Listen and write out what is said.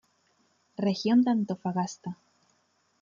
Región de Antofagasta.